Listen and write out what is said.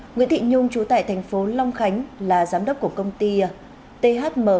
nguyễn thị nhung chú tại tp long khánh là giám đốc của công ty thm